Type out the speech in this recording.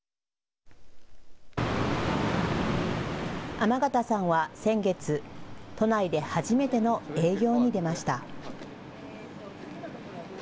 天方さんは先月、都内で初めての営業に出ました。